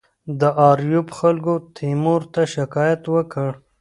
د آریوب خلکو تیمور ته شکایت وکړ.